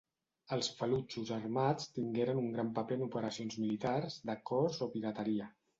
Els falutxos armats tingueren un gran paper en operacions militars, de cors o pirateria.